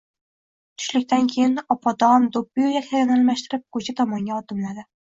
Tushlikdan keyin opog‘otam do‘ppiyu yaktagini almashtirib, ko‘cha tomonga odimladi